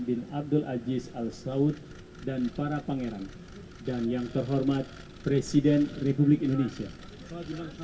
ditinggal lagi kesana